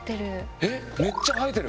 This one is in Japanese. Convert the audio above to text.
えっめっちゃ生えてる。